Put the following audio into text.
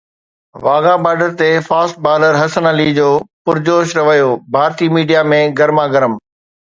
Wagah border تي fast bowler Hasan Ali جو پرجوش رويو ڀارتي ميڊيا ۾ گرما گرم